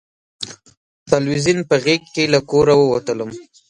تلویزیون په غېږ له کوره ووتلم